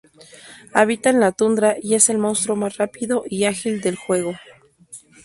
Habita en la tundra y es el monstruo más rápido y ágil del juego.